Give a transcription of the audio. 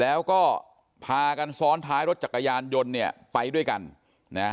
แล้วก็พากันซ้อนท้ายรถจักรยานยนต์เนี่ยไปด้วยกันนะ